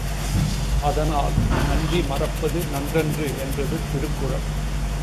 அதனால் நன்றி மறப்பது நன்றன்று என்றது திருக்குறள்.